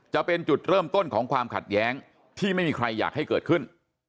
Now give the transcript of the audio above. จะเป็นจุดเริ่มต้นของความขัดแย้งที่ไม่มีใครอยากให้เกิดขึ้น